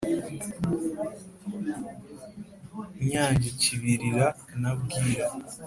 Nyange Kibirira na Bwira